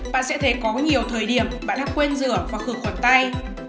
bạn sẽ thấy có nhiều thời điểm bạn đã quên rửa và khử khuẩn tay